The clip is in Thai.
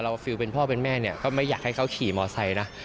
ฟิลเป็นพ่อเป็นแม่เนี่ยก็ไม่อยากให้เขาขี่มอไซค์นะ